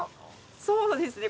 そうですね。